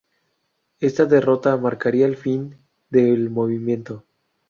Esta derrota marcaría el fin del movimiento.